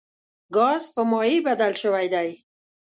ګاز په مایع بدل شوی دی.